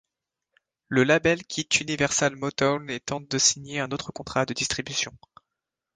Le label quitte Universal Motown et tente de signer un autre contrat de distribution.